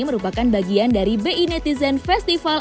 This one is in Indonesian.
merupakan bagian dari bi netizen festival